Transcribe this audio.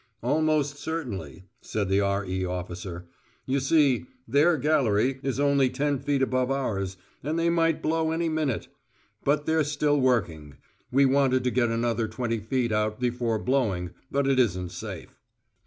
"Almost certainly," said the R.E. officer. "You see, their gallery is only ten feet above ours, and they might blow any minute. But they're still working. We wanted to get another twenty feet out before blowing, but it isn't safe.